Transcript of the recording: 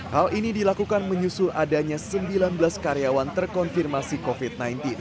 hal ini dilakukan menyusul adanya sembilan belas karyawan terkonfirmasi covid sembilan belas